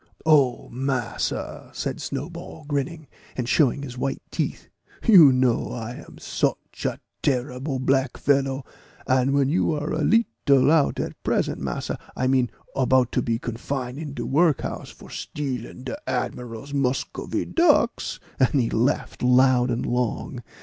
"Oh, massa," said Snowball, grinning, and showing his white teeth, "you know I am soch a terrible black fellow But you are a leetle out at present, massa I meant, about to be confine in de work house for stealing de admiral's Muscovy ducks;" and he laughed loud and long.